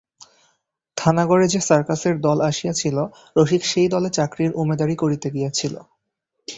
থানাগড়ে সে সার্কাসের দল আসিয়াছিল রসিক সেই দলে চাকরির উমেদারি করিতে গিয়াছিল।